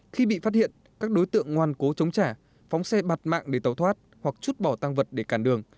khi bị phát hiện các đối tượng ngoan cố chống trả phóng xe bạt mạng để tàu thoát hoặc chút bỏ tăng vật để cản đường